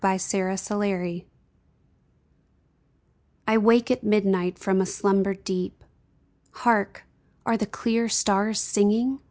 A CHRISTMAS SONNET I WAKE at midnight from a slumber deep. Hark ! are the clear stars singing